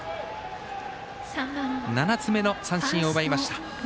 ７つ目の三振を奪いました。